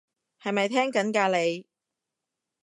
係咪聽緊㗎你？